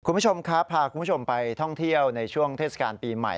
คุณผู้ชมครับพาคุณผู้ชมไปท่องเที่ยวในช่วงเทศกาลปีใหม่